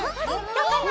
どうかな？